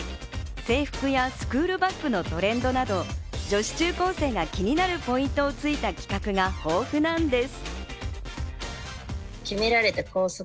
制服やスクールバッグのトレンドなど、女子中高生が気になるポイントをついた企画が豊富なんです。